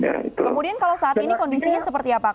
kemudian kalau saat ini kondisinya seperti apa